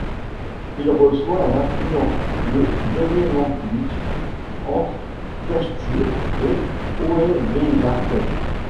Il reçoit un affluent, le Bellemanbeek, entre Terschuur et Hoevelaken.